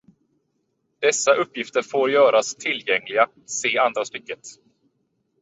Dessa uppgifter får göras tillgängliga, se andra stycket.